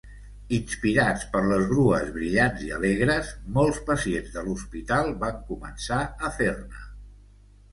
Inspirats per les grues brillants i alegres, molts pacients de l’hospital van començar a fer-ne.